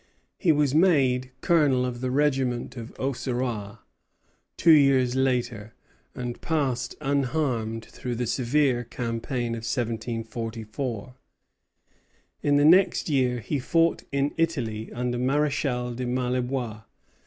He was made colonel of the regiment of Auxerrois two years later, and passed unharmed through the severe campaign of 1744. In the next year he fought in Italy under Maréchal de Maillebois.